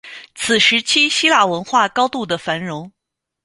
此时期希腊文化高度的繁荣